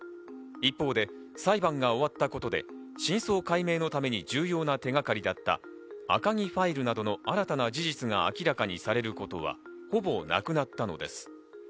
一方で裁判が終わったことで真相解明のために重要な手がかりだった赤木ファイルなどの新たな事実が明らかにされることはほぼなくなったのです。